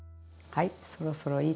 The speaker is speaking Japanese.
はい。